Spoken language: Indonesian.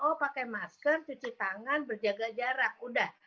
oh pakai masker cuci tangan berjaga jarak udah